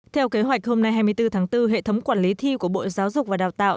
theo kế hoạch hôm nay hai mươi bốn tháng bốn hệ thống quản lý thi của bộ giáo dục và đào tạo